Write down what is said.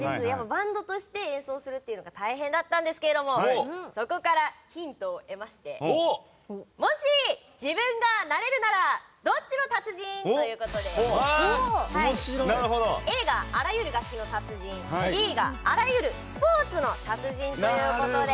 バンドとして演奏するのが大変だったんですけれどもそこからヒントを得ましてもし、自分がなれるならどっちの達人？ということでＡがあらゆる楽器の達人Ｂがあらゆるスポーツの達人ということで。